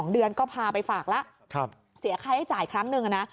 ๒เดือนก็พาไปฝากแล้วเสียค่าให้จ่ายครั้งหนึ่งนะ